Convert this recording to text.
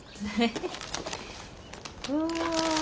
うわ。